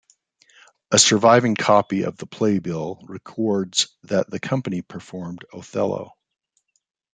A surviving copy of the playbill records that the company performed "Othello".